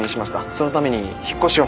そのために引っ越しを。